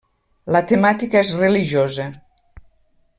La temàtica és religiosa.